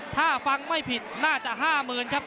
ถ้าฟังไม่ผิดน่าจะห้าเมือนครับ